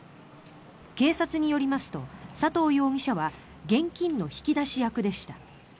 警察によりますと佐藤容疑者は現金の引き出し役でした。